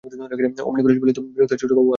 অমনি করিস বলেই তো বিরক্ত হয়ে ছোটবাবু আর আসে না।